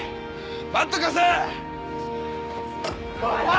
バット貸せ！